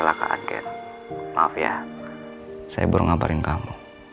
ya lah kak kate maaf ya saya burung ngabarin kamu